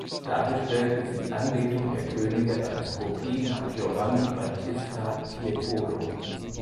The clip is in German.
Dargestellt ist die Anbetung der Könige als Kopie nach Giovanni Battista Tiepolo.